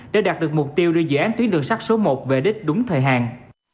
để đạt được mục tiêu đưa dự án tuyến đường sắt số một về đích đúng thời hạn